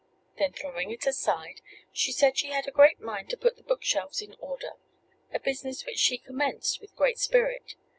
Then throwing it aside, she said she had a great mind to put the bookshelves in order a business which she commenced with great spirit.